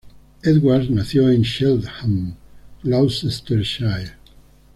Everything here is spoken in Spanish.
Edwards nació en Cheltenham, Gloucestershire.